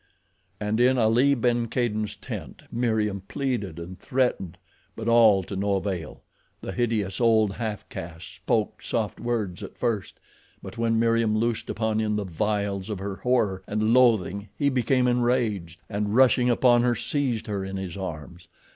And in Ali ben Kadin's tent Meriem pleaded and threatened, but all to no avail. The hideous old halfcaste spoke soft words at first, but when Meriem loosed upon him the vials of her horror and loathing he became enraged, and rushing upon her seized her in his arms.